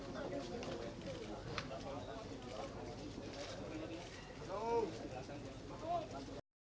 terima kasih pak